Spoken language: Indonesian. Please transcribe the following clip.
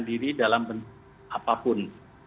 tidak melibatkan diri dalam apapun